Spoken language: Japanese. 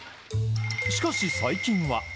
しかし、最近は。